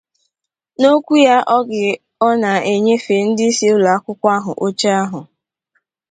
N'okwu ya oge ọ na-enyefè ndịisi ụlọakwụkwọ ahụ oche ahụ